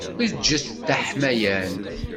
Eǧǧet-t d aḥmayan.